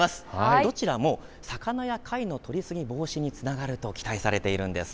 どちらも魚や貝の取り過ぎ防止につながると期待されているのです。